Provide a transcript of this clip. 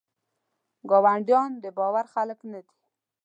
ګاونډیان دباور خلګ نه دي.